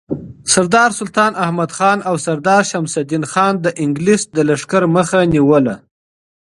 سردار سلطان احمدخان او سردار شمس الدین خان د انگلیس د لښکر مخه نیوله.